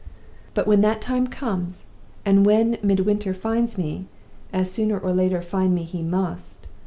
But when that time comes, and when Midwinter finds me (as sooner or later find me he must!)